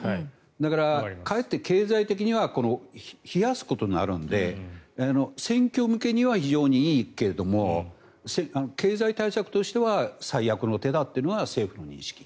だから、かえって経済的には冷やすことになるので選挙向けには非常にいいけれども経済対策としては最悪の手だというのは政府の認識。